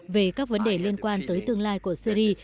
về các vấn đề liên quan tới tương lai của syri